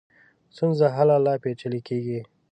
ستونزه هله لا پېچلې کېږي.